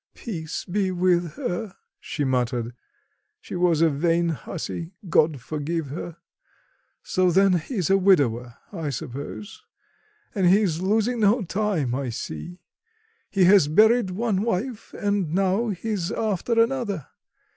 "Peace be with her," she muttered; "she was a vain hussy, God forgive her. So, then, he's a widower, I suppose. And he's losing no time, I see. He has buried one wife and now he's after another.